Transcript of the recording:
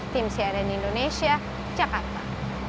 tim siaran indonesia jakarta